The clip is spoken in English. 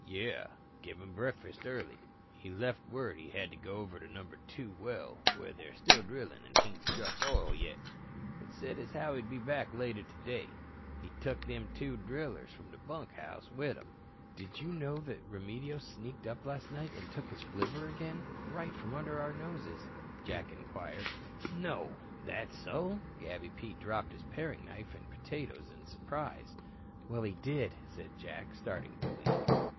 "Yeah. Give him breakfast early. He lef word he hadda go over to Number Two well where they're still drillin' an' hain't struck oil yet, but said as how he'd be back later today. He tuk them two drillers from the bunkhouse with him." "Did you know Remedios sneaked up last night and took his flivver again, right from under our noses?" Jack inquired. "No, that so?" Gabby Pete dropped his paring knife and potatoes in surprise. "Well, he did," said Jack, starting to leave.